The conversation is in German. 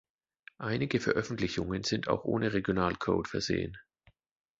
Einige Veröffentlichungen sind auch ohne Regionalcode versehen.